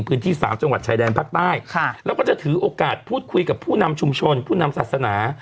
พื้นที่สามจังหวัดชายแดนภาคใต้ค่ะแล้วก็จะถือโอกาสพูดคุยกับผู้นำชุมชนผู้นำศาสนา